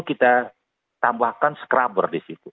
kita tambahkan scrubber disitu